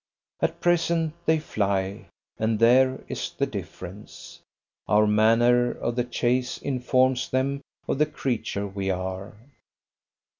At present they fly, and there is the difference. Our manner of the chase informs them of the creature we are.